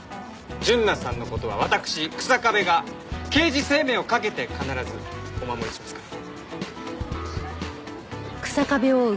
純奈さんの事は私草壁が刑事生命をかけて必ずお守りしますから。